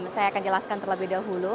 saya ingin menjelaskan terlebih dahulu